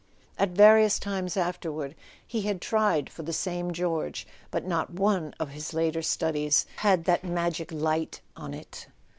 At various times afterward he had tried for the same George, but not one of his later studies had that magic light on it.